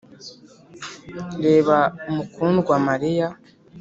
reba mukundwa mariya.